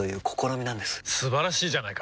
素晴らしいじゃないか！